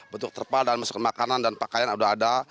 bentuk terpal dan makanan dan pakaian sudah ada